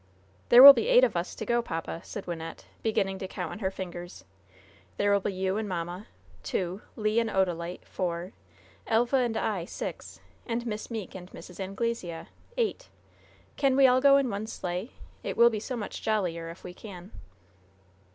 "There will be eight of us to go, papa," said Wynnette, beginning to count on her fingers. "There will be you and mamma, two; Le and Odalite, four; Elva and I, six; and Miss Meeke and Mrs. Anglesea, eight. Can we all go in one sleigh? It will be so much jollier if we can."